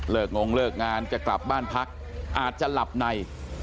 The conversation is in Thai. งงเลิกงานจะกลับบ้านพักอาจจะหลับใน